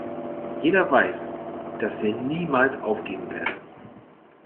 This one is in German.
Jeder weiß, dass wir niemals aufgeben werden!